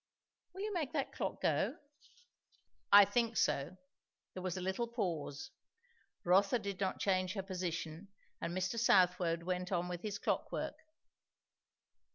"Will you make that clock go?" "I think so." There was a little pause. Rotha did not change her position, and Mr. Southwode went on with his clock work.